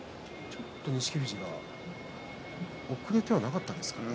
ちょっと錦富士遅れてはいなかったですか？